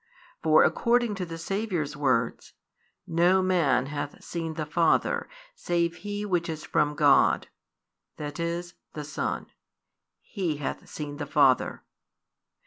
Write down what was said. For, according to the Saviour's words: No man hath seen the Father, save He Which is from God, that is, the Son; He hath seen the Father.